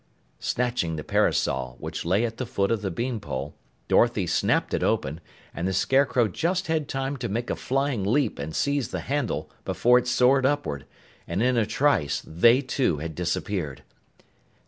Snatching the parasol, which lay at the foot of the bean pole, Dorothy snapped it open, and the Scarecrow just had time to make a flying leap and seize the handle before it soared upward, and in a trice they, too, had disappeared.